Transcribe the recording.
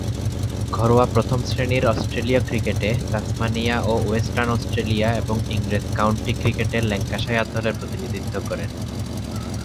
ঘরোয়া প্রথম-শ্রেণীর অস্ট্রেলীয় ক্রিকেটে তাসমানিয়া ও ওয়েস্টার্ন অস্ট্রেলিয়া এবং ইংরেজ কাউন্টি ক্রিকেটে ল্যাঙ্কাশায়ার দলের প্রতিনিধিত্ব করেন।